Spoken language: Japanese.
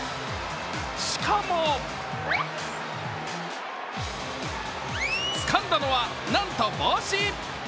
しかも、つかんだのはなんと帽子。